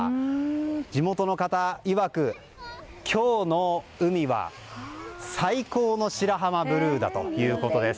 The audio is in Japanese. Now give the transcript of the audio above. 地元の方いわく、今日の海は最高の白浜ブルーだということです。